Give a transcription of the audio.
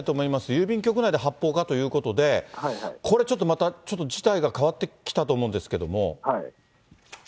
郵便局内で発砲かということで、これちょっとまた、ちょっと事態が変わってきたと思うんですけども。